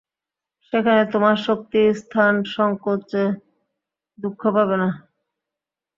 সেখানে তোমার শক্তি স্থান-সংকোচে দুঃখ পাবে না।